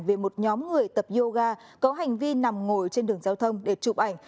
về một nhóm người tập yoga có hành vi nằm ngồi trên đường giao thông để chụp ảnh